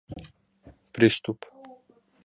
Приступ.